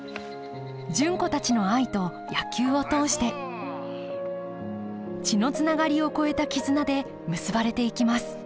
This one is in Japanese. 純子たちの愛と野球を通して血のつながりを超えた絆で結ばれていきます